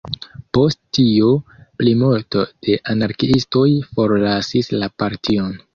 Post tio plimulto de anarkiistoj forlasis la partion.